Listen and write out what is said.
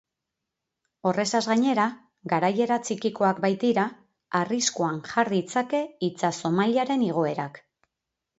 Horrezaz gainera, garaiera txikikoak baitira, arriskuan jar ditzake itsaso-mailaren igoerak.